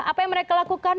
apa yang mereka lakukan